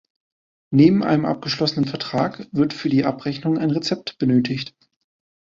Neben einem abgeschlossenen Vertrag wird für die Abrechnung ein Rezept benötigt.